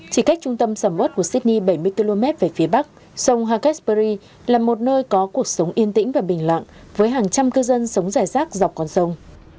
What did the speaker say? chỉ cách trung tâm sầm ớt của sydney bảy mươi km về phía bắc sông hawkesbury là một nơi có cuộc sống yên tĩnh và bình lặng với hàng trăm cư dân sống rải rác dọc con sông